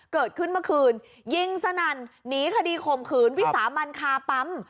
เกิดขึ้นเมื่อคืนยิงสนั่นหนีคดีข่มขืนวิสามันคาปั๊ม